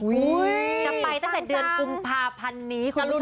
จะไปตั้งแต่เดือนกุมภาพันธ์นี้คุณผู้ชม